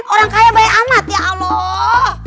orang kaya baik amat ya allah